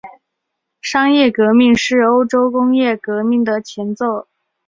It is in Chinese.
商业革命是欧洲工业革命的前奏。